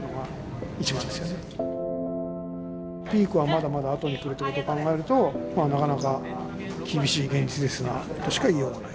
ピークはまだまだ後に来るということを考えるとまあなかなか厳しい現実ですがとしか言いようがない。